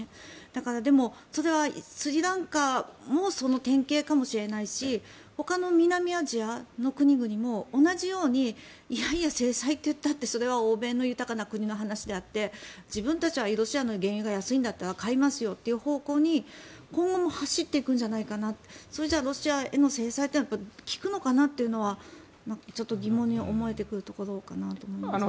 だから、でも、それはスリランカもその典型かもしれないしほかの南アジアの国々も同じようにいやいや、制裁っていったってそれは欧米の豊かな国の話であって自分たちはロシアの原油が安いんだったら買いますよという方向に今後も走っていくんじゃないかなそれじゃロシアへの制裁は効くのかなというのはちょっと疑問に思えてくるところかなと思います。